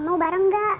mau bareng nggak